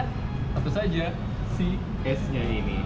tentu saja si esnya ini